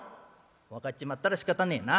「分かっちまったらしかたねえな。